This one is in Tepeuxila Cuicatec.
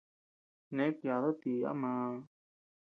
Neʼe kuyadu ti a maa.